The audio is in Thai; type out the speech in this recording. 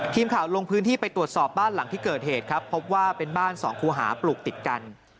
ทีมข่าวลงพื้นที่ไปตรวจสอบบ้านหลังที่เกิดเหตุครับพบว่าเป็นบ้านสองคู่หาปลูกติดกัน